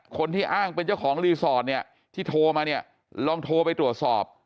คนที่อ้างเป็นเจ้าของรีสอร์ทเนี่ยที่โทรมาเนี่ยลองโทรไปตรวจสอบ